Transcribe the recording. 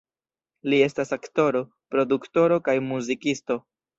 Li estas aktoro, produktoro kaj muzikisto.